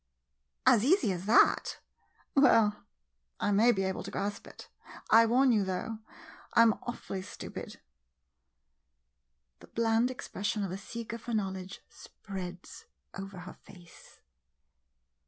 As easy as that? Well — I may be able to grasp it. I warn you, though — I 'm awfully stupid. [The bland expression of a "seeker for knowledge " spreads over her face.